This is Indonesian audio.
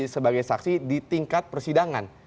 sebagai saksi di tingkat persidangan